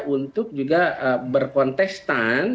untuk juga berkontestan